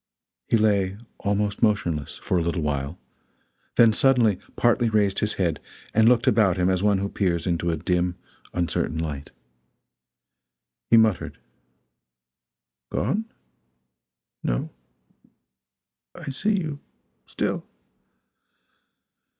He lay almost motionless for a little while, then suddenly partly raised his head and looked about him as one who peers into a dim uncertain light. He muttered: "Gone? No I see you still.